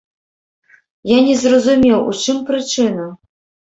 Я не зразумеў, у чым прычына.